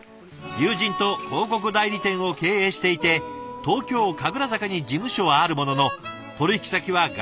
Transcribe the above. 友人と広告代理店を経営していて東京・神楽坂に事務所はあるものの取引先は外資系企業ばかり。